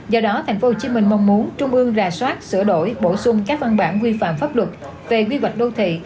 do đó tp hcm mong muốn trung ương ra soát sửa đổi bổ sung các văn bản quy phạm pháp luật về quy hoạch đô thị